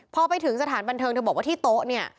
พอไปถึงสถานบันเทิงเธอบอกว่าที่โต๊ะเนี่ย